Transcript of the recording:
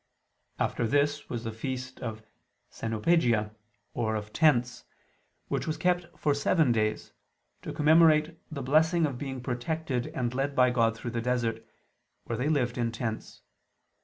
After this was the feast of "Scenopegia" or of "Tents," which was kept for seven days, to commemorate the blessing of being protected and led by God through the desert, where they lived in tents.